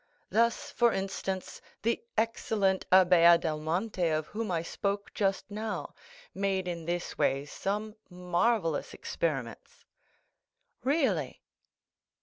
Thus, for instance, the excellent Abbé Adelmonte, of whom I spoke just now, made in this way some marvellous experiments." "Really?"